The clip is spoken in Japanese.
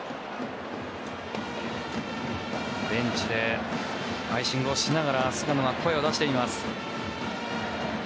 ベンチでアイシングをしながら菅野が声を出しています。